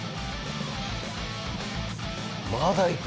まだいく？